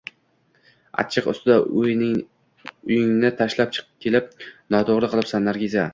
Achchiq ustida uyingni tashlab kelib noto`g`ri qilibsan, Nargiza